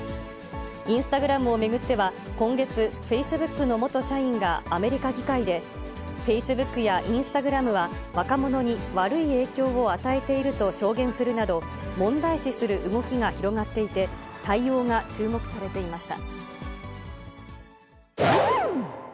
インスタグラムを巡っては、今月、フェイスブックの元社員がアメリカ議会で、フェイスブックやインスタグラムは若者に悪い影響を与えていると証言するなど、問題視する動きが広がっていて、対応が注目されていました。